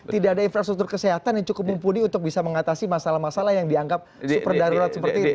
tidak ada infrastruktur kesehatan yang cukup mumpuni untuk bisa mengatasi masalah masalah yang dianggap super darurat seperti itu